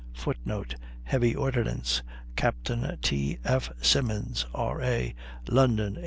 [Footnote: "Heavy Ordnance," Captain T. F. Simmons, R. A., London, 1837.